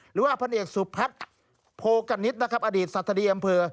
หรือว่าพันธุ์เอกสุภัทรโภกัณฑ์นิดนะครับอดีตสัตว์ธรรมดีอำเภอ